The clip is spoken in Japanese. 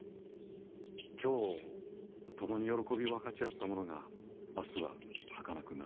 今日共に喜びを分かち合った者が明日ははかなくなる。